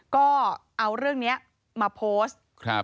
ก็เอาเรื่องนี้มาโพสต์